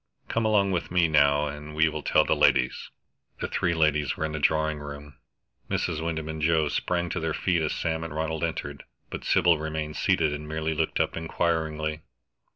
Come along with me, now, and we will tell the ladies." The three ladies were in the drawing room. Mrs. Wyndham and Joe sprang to their feet as Sam and Ronald entered, but Sybil remained seated and merely looked up inquiringly.